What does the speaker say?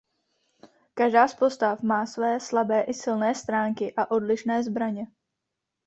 Každá z postav má své slabé i silné stránky a odlišné zbraně.